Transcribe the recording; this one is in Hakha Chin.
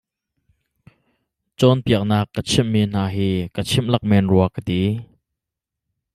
Cawnpiaknak ka chimhmi hna hi ka chim lak men rua ka ti.